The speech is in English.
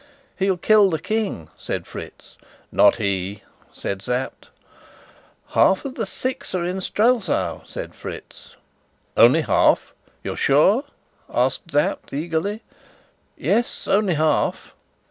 "He'll kill the King," said Fritz. "Not he," said Sapt. "Half of the Six are in Strelsau," said Fritz. "Only half? You're sure?" asked Sapt eagerly. "Yes only half."